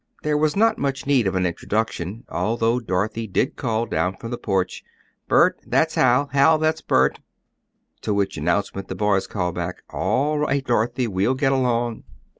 There was not much need of an introduction, although Dorothy did call down from the porch, "Bert that's Hal; Hal that's Bert," to which announcement the boys called back, "All right, Dorothy. We'll get along."